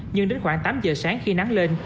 nhưng đến khoảng tám giờ sáng khi nắng lên